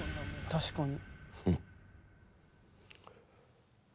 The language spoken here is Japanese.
確かに。